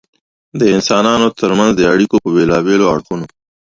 د انسانانو تر منځ د اړیکو په بېلابېلو اړخونو.